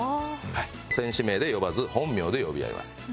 戦士名で呼ばず本名で呼び合います。